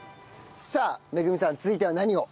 さあめぐみさん続いては何を？